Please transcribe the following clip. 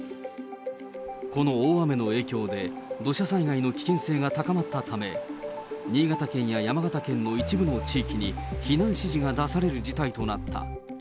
この大雨の影響で、土砂災害の危険性が高まったため、新潟県や山形県の一部の地域に避難指示が出される事態となった。